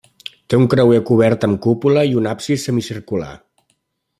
Té un creuer cobert amb cúpula i un absis semicircular.